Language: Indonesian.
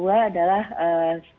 terima kasih pak menteri